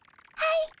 はい。